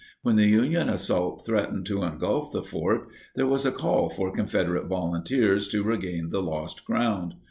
When the Union assault threatened to engulf the fort, there was a call for Confederate volunteers to regain the lost ground.